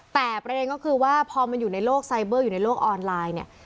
แต่ประเด็นก็คือว่าพอมันอยู่ในโลกไซเบอร์อยู่ในโลกออนไลน์เนี่ย